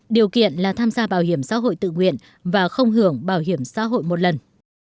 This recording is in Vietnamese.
điều kiện là tham gia bảo hiểm xã hội tự nguyện và không hưởng bảo hiểm xã hội một lần